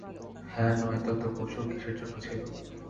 হ্যাঁ, নয়তো এত কৌশল কীসের জন্য ছিল?